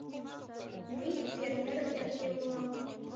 — Мый фермер эрге улам...